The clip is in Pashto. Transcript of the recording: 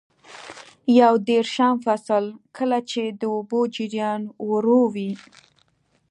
یو دېرشم فصل: کله چې د اوبو جریان ورو وي.